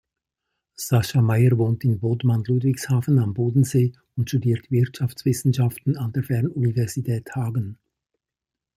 Sascha Maier wohnt in Bodman-Ludwigshafen am Bodensee und studiert Wirtschaftswissenschaften an der Fernuniversität Hagen.